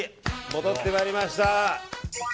戻ってまいりました。